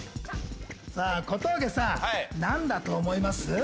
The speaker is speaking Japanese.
さぁ小峠さん何だと思います？